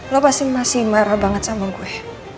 lo pasti masih marah banget sama gue